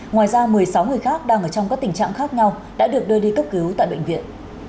ngoài ra một mươi sáu người khác đang ở trong các tình trạng khác nhau đã được đưa đi cấp cứu tại bệnh viện